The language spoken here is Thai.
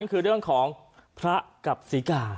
นี่คือเรื่องของพระกับสิก่า